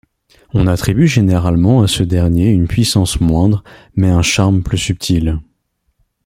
On attribue généralement à ce dernier une puissance moindre mais un charme plus subtil.